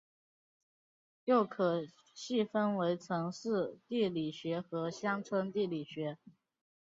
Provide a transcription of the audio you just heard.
又可细分为城市地理学和乡村地理学。